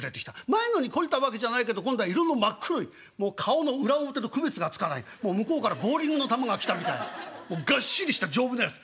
前のに懲りたわけじゃないけど今度は色の真っ黒いもう顔の裏表の区別がつかない向こうからボウリングの球が来たみたいながっしりした丈夫なやつ。